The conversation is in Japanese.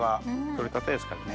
取れたてですからね。